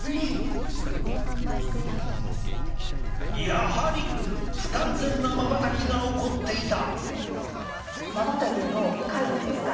やはり不完全なまばたきが起こっていた。